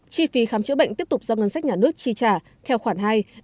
chi phí khám chữa bệnh tiếp tục do ngân sách nhà nước chi trả theo khoản hai bốn mươi tám